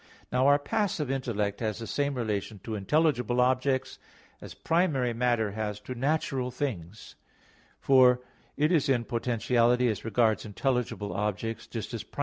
Now our passive intellect has the same relation to intelligible objects as primary matter has to natural things; for it is in potentiality as regards intelligible objects, just as primary matter is to natural things.